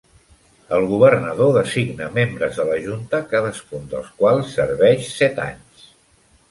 El governador designa membres de la Junta, cadascun dels quals serveix set anys.